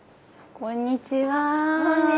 こんにちは。